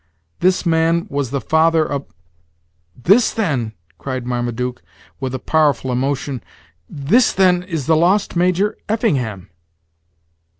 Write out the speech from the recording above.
This man was the father of " "This, then," cried Marmaduke, with a powerful emotion, "this, then, is the lost Major Effingham!"